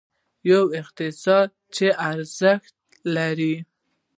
یو اقتصاد چې ارزښت لري.